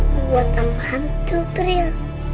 buat apa hantu peril